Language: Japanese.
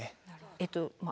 えっとまあ